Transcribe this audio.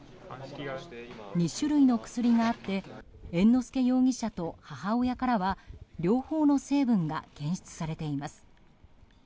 ２種類の薬があって猿之助容疑者と母親からは両方の成分が検出されています。